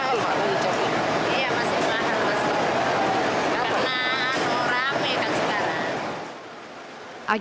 karena ramai kan sekarang